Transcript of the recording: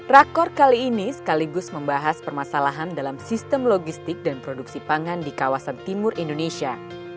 rakor kali ini sekaligus membahas permasalahan dalam sistem logistik dan produksi pangan di kawasan timur indonesia